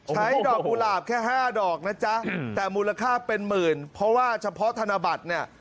ดอกกุหลาบแค่๕ดอกนะจ๊ะแต่มูลค่าเป็นหมื่นเพราะว่าเฉพาะธนบัตรเนี่ย